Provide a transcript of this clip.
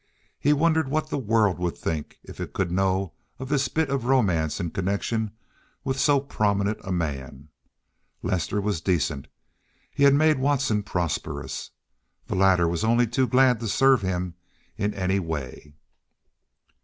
He wondered what the world would think if it could know of this bit of romance in connection with so prominent a man. Lester was decent. He had made Watson prosperous. The latter was only too glad to serve him in any way.